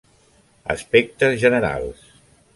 Aspectes generals.